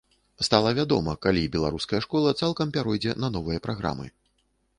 Стала вядома, калі беларуская школа цалкам пяройдзе на новыя праграмы.